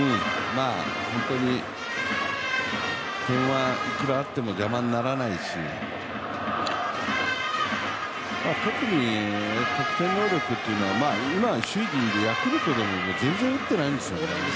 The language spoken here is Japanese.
本当に点はいくらあっても邪魔にならないし、特に得点能力っていうのは首位にいるヤクルト、全然打ってないんですよね